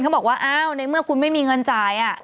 เขาบอกว่าอ้าวในเมื่อคุณไม่มีเงินจ่าย